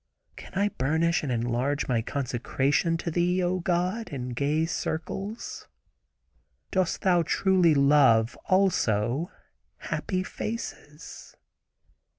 Can I burnish and enlarge my consecration to Thee, oh God, in gay circle? Dost Thou truly love, also, happy faces?